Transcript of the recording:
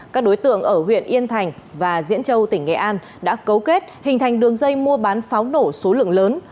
các đối tượng ở huyện yên thành và diễn châu tỉnh nghệ an đã cấu kết hình thành đường dây mua bán pháo nổ số lượng lớn